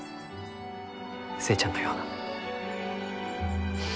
寿恵ちゃんのような。